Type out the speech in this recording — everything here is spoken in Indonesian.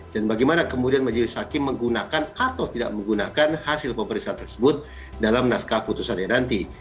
dan bagaimana kemudian majelis hakim menggunakan atau tidak menggunakan hasil pemeriksaan tersebut dalam naskah putusannya nanti